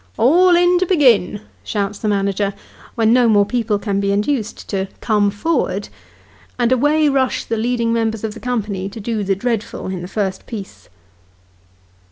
" All in to begin," shouts the manager, when no more people can be induced to "come for'erd," and away rush the leading members of the company to do the dreadful in the first piece.